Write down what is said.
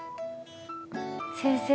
先生